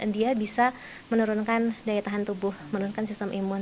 dia bisa menurunkan daya tahan tubuh menurunkan sistem imun